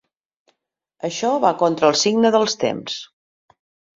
Això va contra el signe dels temps.